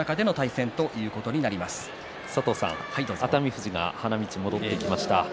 富士が花道を戻ってきました。